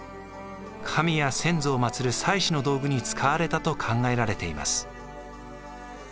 神や先祖を祭る祭祀の道具に使われたと考えられています。